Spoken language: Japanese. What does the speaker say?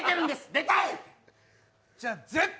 出たい！